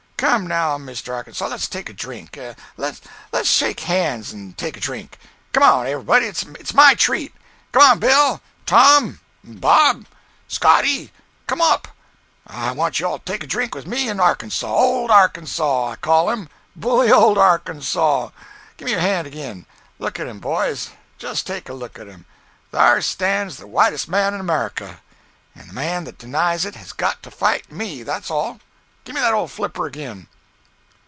Come, now, Mr. Arkansas, le's take a drink—le's shake hands and take a drink. Come up—everybody! It's my treat. Come up, Bill, Tom, Bob, Scotty—come up. I want you all to take a drink with me and Arkansas—old Arkansas, I call him—bully old Arkansas. Gimme your hand agin. Look at him, boys—just take a look at him. Thar stands the whitest man in America!—and the man that denies it has got to fight me, that's all. Gimme that old flipper agin!"